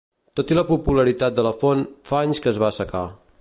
Tot i la popularitat de la font, fa anys que es va assecar.